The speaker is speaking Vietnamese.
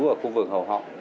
ở khu vực hầu họng